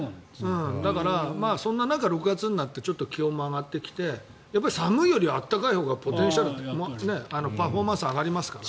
だからそんな中、６月になってちょっと気温も上がってきて寒いよりは暖かいほうがパフォーマンスは上がりますから。